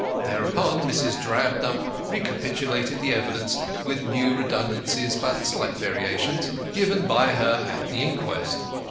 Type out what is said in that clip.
Thereupon Mrs. Drabdump recapitulated the evidence (with new redundancies, but slight variations) given by her at the inquest.